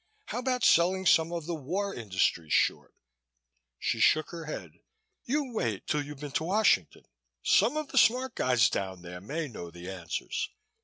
How about selling some of the war industries short?" She shook her head. "You wait till you've been to Washington. Some of the smart guys down there may know the answers.